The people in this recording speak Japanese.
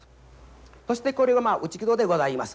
そしてこれが内木戸でございます。